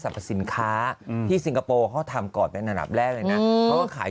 สินค้าอืมที่สิงคโปร์เขาทำก่อนเป็นอันดับแรกเลยนะเขาก็ขาย